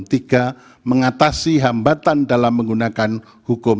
tiga mengatasi hambatan dalam menggunakan hukum